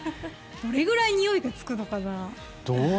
どれぐらいにおいがつくのかな。